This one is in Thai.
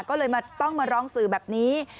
ก็เลยต้องมาร้องสื่อแบบนี้